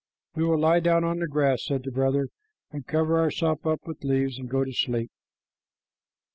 "We will lie down on the grass," said the brother, "and cover ourselves up with leaves, and go to sleep."